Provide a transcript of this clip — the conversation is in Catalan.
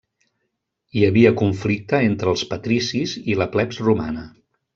Hi havia conflicte entre els patricis i la plebs romana.